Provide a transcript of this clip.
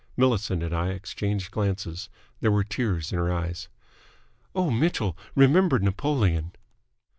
Millicent and I exchanged glances. There were tears in her eyes. "Oh, Mitchell! Remember Napoleon!"